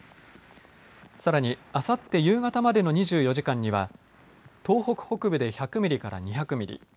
さらにあさって夕方までの２４時間には東北北部で１００ミリから２００ミリ